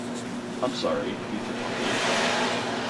"I'm sorry," he said humbly.